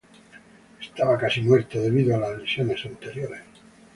Estaba casi muerto debido a las lesiones anteriores.